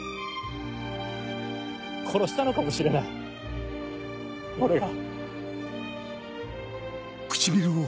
殺したのかもしれない俺が。